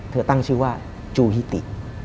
ตั้งชื่อว่าจูฮิติ